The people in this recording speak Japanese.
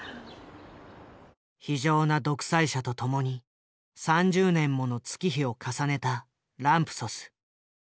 非情な独裁者と共に３０年もの月日を重ねたランプソス。